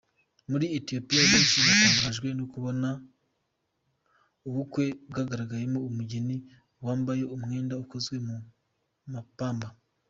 Muri Ethiopia benshi batangajwe no kubona ubukwe bwagaragayemo umugeni wambaye umwenda ukozwe mu mapamba .